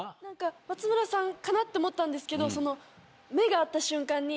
松村さんかなって思ったんですけど。